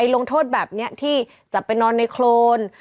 ลงโทษแบบนี้ที่จะไปนอนในโครน